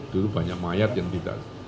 dulu banyak mayat banyak jenazah